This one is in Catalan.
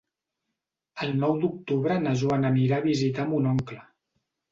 El nou d'octubre na Joana anirà a visitar mon oncle.